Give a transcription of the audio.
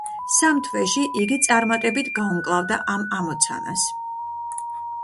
სამ თვეში იგი წარმატებით გაუმკლავდა ამ ამოცანას.